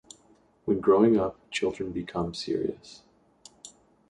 When growing up, children become serious.